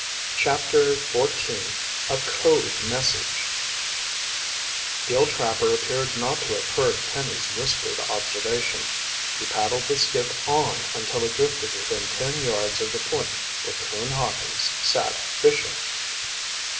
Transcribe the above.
CHAPTER 14 A CODE MESSAGE The old trapper appeared not to have heard Penny's whispered observation. He paddled the skiff on until it drifted within ten yards of the point where Coon Hawkins sat fishing.